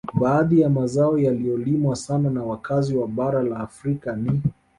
Baadhi ya mazao yaliyolimwa sana na wakazi wa bara la Afrika ni